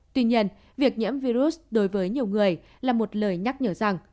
tuy nhiên việc nhiễm virus đối với nhiều người là một lời nhắc nhở rằng